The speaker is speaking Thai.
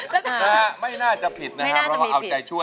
แต่ไม่น่าจะพลิดนะฮะเราเอาใจชั่ว